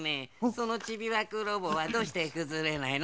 そのチビワクロボはどうしてくずれないの？